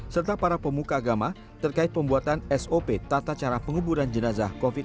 serta para pemuka agama terkait pembuatan sop tata cara penguburan jenazah covid sembilan belas